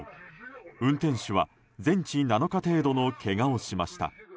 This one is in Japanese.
運転手は全治７日程度のけがをしました。